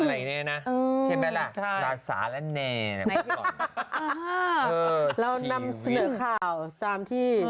อะไรแน่นะใช่ไหมล่ะราสารและแน่นเรานำเสนอข่าวตามที่